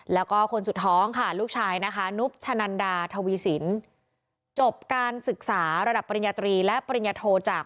แล้วก็คนสุดท้องค่ะลูกชายนะคะนุบชะนันดาทวีสินจบการศึกษาระดับปริญญาตรีและปริญญาโทจาก